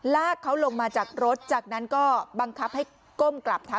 ลากเขาลงมาจากรถจากนั้นก็บังคับให้ก้มกราบเท้า